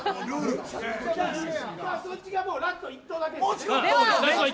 そっちはラスト１投だけです。